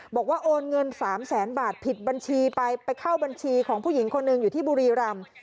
บอกว่าโอนเงิน๓แสนบาทผิดบัญชีไปไปเข้าบัญชีของผู้หญิงคนหนึ่งอยู่ที่บุรีรำ